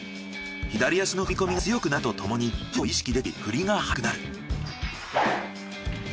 左足の踏み込みが強くなるとともに体重移動を意識でき振りが速くなる。